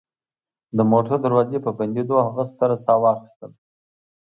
د موټر دروازې په بندېدو هغه ستره ساه واخیستله